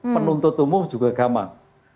penuntut umum juga gamang